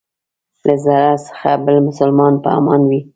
له ضرر څخه بل مسلمان په امان وي.